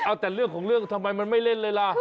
เอาแต่เรื่องของเรื่องทำไมมันไม่เล่นเลยล่ะ